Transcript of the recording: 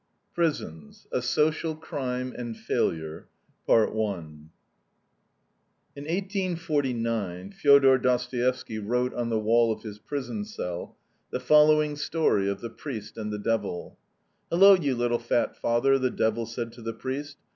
PRISONS: A SOCIAL CRIME AND FAILURE In 1849, Feodor Dostoyevsky wrote on the wall of his prison cell the following story of THE PRIEST AND THE DEVIL: "'Hello, you little fat father!' the devil said to the priest.